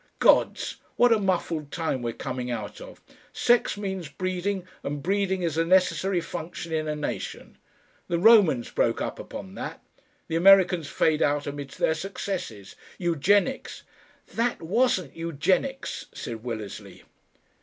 Gods! what a muffled time we're coming out of! Sex means breeding, and breeding is a necessary function in a nation. The Romans broke up upon that. The Americans fade out amidst their successes. Eugenics " "THAT wasn't Eugenics," said Willersley.